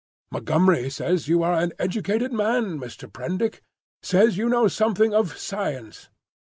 "Montgomery says you are an educated man, Mr. Prendick; says you know something of science.